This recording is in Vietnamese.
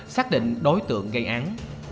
xác định đối tượng gây án